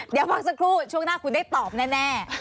เดี๋ยวพักสักครู่ช่วงหน้าคุณได้ตอบแน่